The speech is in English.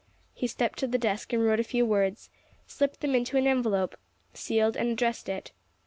He stepped to the desk and wrote a few words, slipped them into an envelope, sealed and addressed it.